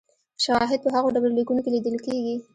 شواهد په هغو ډبرلیکونو کې لیدل کېږي